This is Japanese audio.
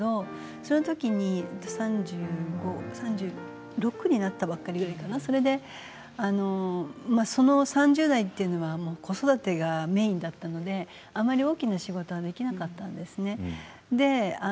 その時、３６になったばっかりでその３０代というのは子育てがメインだったのであまり大きな仕事はできなかったんですね。